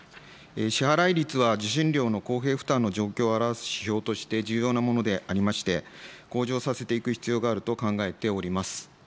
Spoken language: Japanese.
支払率は受信料の公平負担の状況を表す指標として、重要なものでありまして、向上をさせていく必要があると考えております。